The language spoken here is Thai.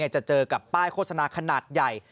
จะเจอกับป้ายโฆษณาขนาดใหญ่